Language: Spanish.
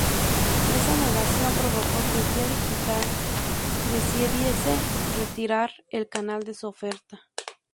Esa negación provocó que Vía Digital decidiese retirar el canal de su oferta.